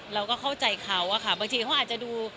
เราก็เข้าใจเขาอะค่ะบางทีเขาอาจจะดู